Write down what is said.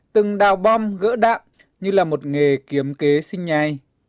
từng đào bom gỡ đạn như là một nghề kiếm kế sinh nhai